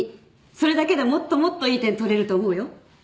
それだけでもっともっといい点取れると思うよ。